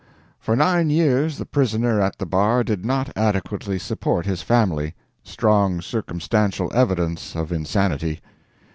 For nine years the prisoner at the bar did not adequately support his family. Strong circumstantial evidence of insanity.